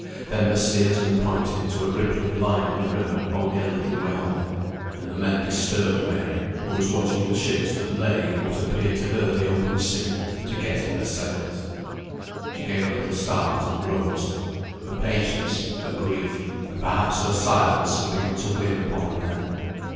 Then the steersman pointed to a rippling line in the river only a little way off, and the men disturbed Mary, who was watching the ships that lay in what appeared to her the open sea, to get at their sails. She gave a little start, and rose. Her patience, her grief, and perhaps her silence, had begun to win upon the men.